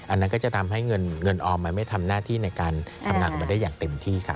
อันนั้นก็จะทำให้เงินออมมันไม่ทำหน้าที่ในการทำงานของมันได้อย่างเต็มที่ค่ะ